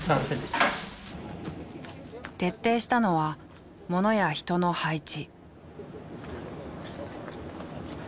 徹底したのは物や人の配置。